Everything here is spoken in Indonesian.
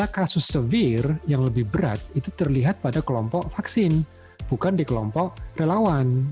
karena kasus severe yang lebih berat itu terlihat pada kelompok vaksin bukan di kelompok relawan